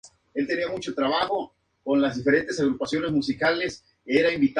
Es el álbum de Nirvana "Nevermind", interpretado por diversos artistas.